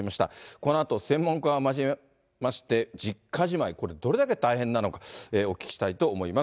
このあと、専門家を交えまして、実家じまい、これ、どれだけ大変なのか、お聞きしたいと思います。